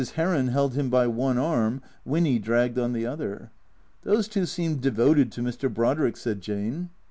Heron held him by one arm, Winny dragged on the other. " Those two seem devoted to Mr. Brodrick," said Jane.